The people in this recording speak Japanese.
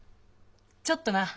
ちょっとな。